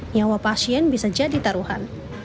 nyawa pasien bisa jadi taruhan